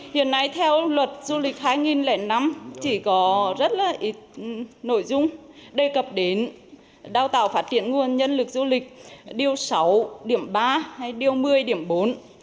hiện nay theo luật du lịch hai nghìn năm chỉ có rất là ít nội dung đề cập đến đào tạo phát triển nguồn nhân lực du lịch điều sáu điểm ba hay điều một mươi điểm bốn